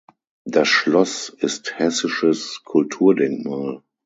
Das Schloss ist hessisches Kulturdenkmal.